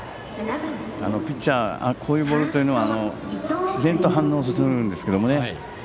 ピッチャーはこういうボールというのは自然と反応してしまうんですけどね。